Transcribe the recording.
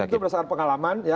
itu berdasarkan pengalaman ya